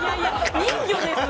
人魚ですよ。